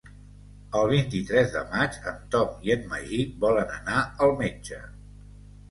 El vint-i-tres de maig en Tom i en Magí volen anar al metge.